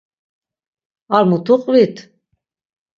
Ar mutu qvit.